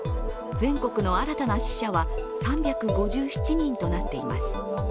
全国の新たな死者は３５７人となっています。